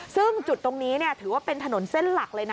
ซึ่งจุดตรงนี้ถือว่าเป็นถนนเส้นหลักเลยนะ